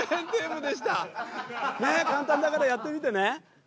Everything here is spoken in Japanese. ねえ簡単だからやってみてね。